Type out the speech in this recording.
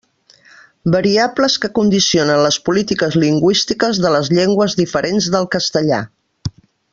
Variables que condicionen les polítiques lingüístiques de les llengües diferents del castellà.